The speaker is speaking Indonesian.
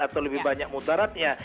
atau lebih banyak muteratnya